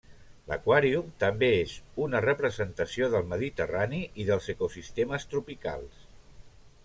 L'aquàrium també és una representació del mediterrani i dels ecosistemes tropicals.